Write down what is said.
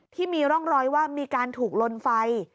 ที่มีร่องรอยว่ามีการถูกลนไฟ